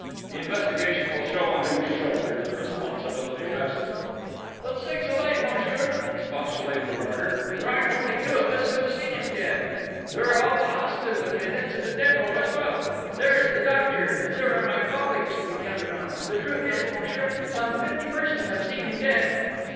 The investigation will show on whose shoulders the responsibility rests." "But, sakes alive, monsieur!" expostulated the warder: "There aren't only two of us who have seen him dead!... There are all the hospital attendants of the Dépôt as well!... There is the doctor, and there are my colleagues to be counted in: the truth is, monsieur, some fifty persons have seen him dead!"